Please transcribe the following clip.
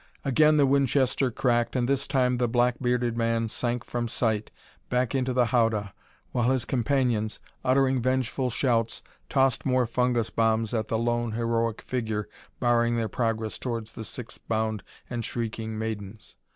Again the Winchester cracked and this time the black bearded man sank from sight back into the howdah, while his companions, uttering vengeful shouts, tossed more fungus bombs at the lone heroic figure barring their progress towards the six bound and shrieking maidens.